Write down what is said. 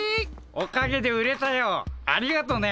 おかげで売れたよ。ありがとね。